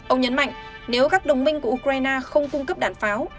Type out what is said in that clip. ông nhấn mạnh nếu các đồng minh của ukraine không cung cấp đạn pháo